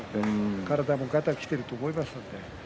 体も、がたがきていると思いますので。